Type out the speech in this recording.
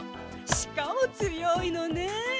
しかも強いのね。